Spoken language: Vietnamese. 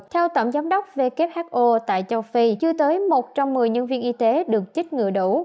theo tổng giám đốc who tại châu phi chưa tới một trăm một mươi nhân viên y tế được chích ngừa đủ